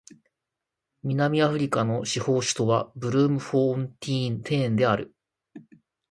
南アフリカの司法首都はブルームフォンテーンである